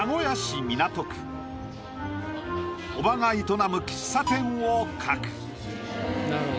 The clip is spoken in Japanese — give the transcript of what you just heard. おばが営む喫茶店を描く。